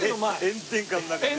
炎天下の中。